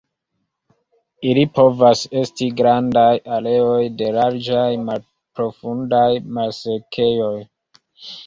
Ili povas esti grandaj areoj de larĝaj, malprofundaj malsekejoj.